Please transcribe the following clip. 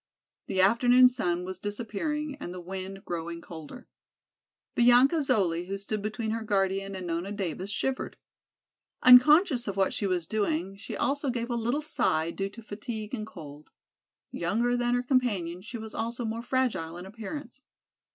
The afternoon sun was disappearing and the wind growing colder. Bianca Zoli, who stood between her guardian and Nona Davis, shivered. Unconscious of what she was doing she also gave a little sigh due to fatigue and cold. Younger than her companions she was also more fragile in appearance.